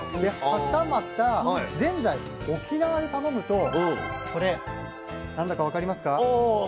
はたまたぜんざい沖縄で頼むとこれ何だか分かりますか？